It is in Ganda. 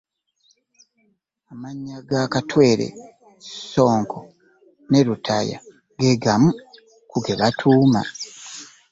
Amannya nga Katwere, Ssonko ne Lutaaya ge gamu ku ge batuuma.